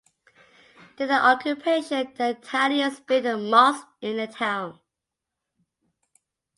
During the occupation, the Italians built a mosque in the town.